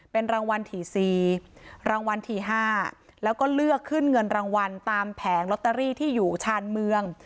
เป็นรางวัลที่๔รางวัลที่๕แล้วก็เลือกขึ้นเงินรางวัลตามแผงลอตเตอรี่ที่อยู่ชานเมือง